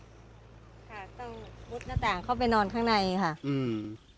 ต้องบุ๊ดหน้าต่างเข้าไปนอนข้างในค่ะ